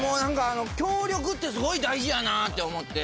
協力ってすごい大事やなって思って。